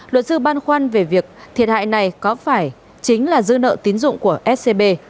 luật sư băn khoăn về việc thiệt hại này có phải chính là dư nợ tín dụng của scb